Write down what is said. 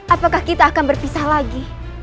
apakah kita akan berpisah lagi